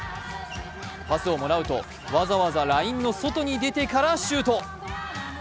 パスをもらうとわざわざラインの外に出てからシュート。